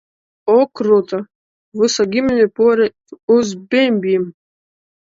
O, kruti! Visa ģimene pārejat uz bembjiem?